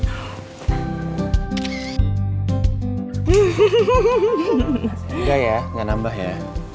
enggak ya nggak nambah ya